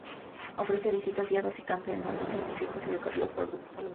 Ofrece visitas guiadas y Campamentos Científicos Educativos para grupos de alumnos de colegios.